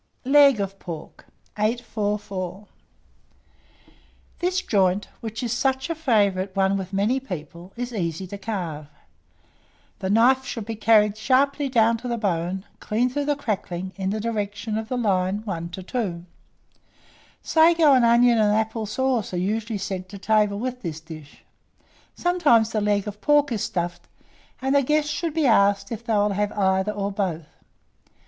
LEG OF PORK. [Illustration: LEG OF PORK.] 844. This joint, which is such a favourite one with many people, is easy to carve. The knife should be carried sharply down to the bone, clean through the crackling, in the direction of the line 1 to 2. Sago and onion and apple sauce are usually sent to table with this dish, sometimes the leg of pork is stuffed, and the guests should be asked if they will have either or both.